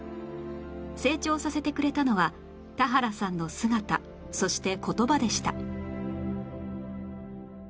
成長させてくれたのは田原さんの姿そして言葉でした